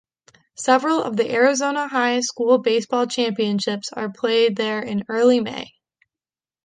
Several of the Arizona high school baseball championships are played there in early May.